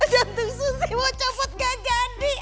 jantung surti mau copot gajah andi